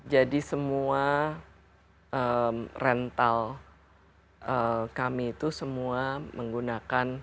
jadi semua rental kami itu semua menggunakan